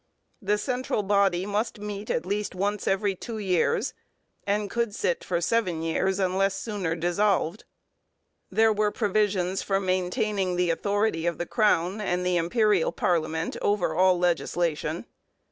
The central body must meet at least once every two years, and could sit for seven years unless sooner dissolved. There were provisions for maintaining the authority of the crown and the Imperial parliament over all legislation.